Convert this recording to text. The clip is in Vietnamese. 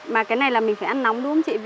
mà cái này là mình phải ăn nóng đúng không chị